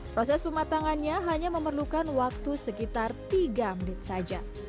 proses pematangannya hanya memerlukan waktu sekitar tiga menit saja